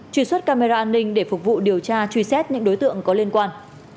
truy xuất camera an ninh để phục vụ điều tra truy xét những đối tượng có liên quan